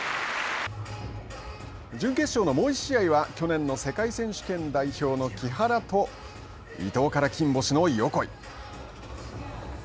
準決勝のもう１試合は去年の世界選手権代表の木原と伊藤から金星の横井。